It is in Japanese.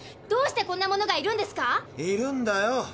どうしてこんなものがいるんですか⁉いるんだよ。